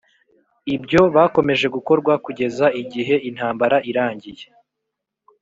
ibyo bakomeje gukorwa kugeza igihe intambara irangiye.